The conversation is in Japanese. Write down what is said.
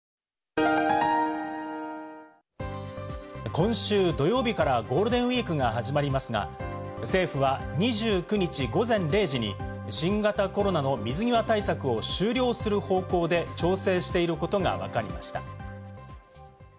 今週土曜日からゴールデンウイークが始まりますが、政府は２９日午前０時に新型コロナの水際対策を終了する方向で調整していることがわかりました。